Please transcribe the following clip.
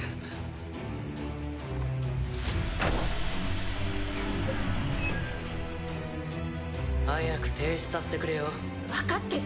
ピッ早く停止させてくれよ。分かってる。